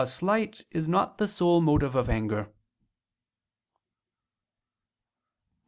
Therefore a slight is not the sole motive of anger. Obj.